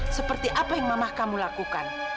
seperti apa yang mamah kamu lakukan